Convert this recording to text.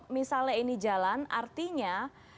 misalnya ini jalan artinya